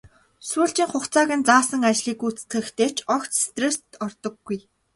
Сүүлчийн хугацааг нь заасан ажлыг гүйцэтгэхдээ ч огт стресст ордоггүй.